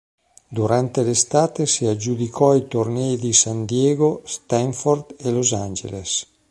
Durante l'estate si aggiudicò i tornei di San Diego, Stanford e Los Angeles.